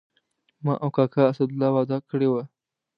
ما او کاکا اسدالله وعده کړې وه.